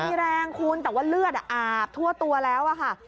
มีแรงคุณแต่ว่าเลือดอาบทั่วตัวแล้วอะค่ะ